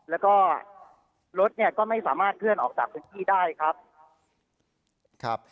แล้วก็รถเนี่ยก็ไม่สามารถเคลื่อนออกจากพื้นที่ได้ครับครับ